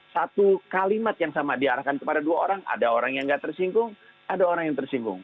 satu kalimat yang sama diarahkan kepada dua orang ada orang yang nggak tersinggung ada orang yang tersinggung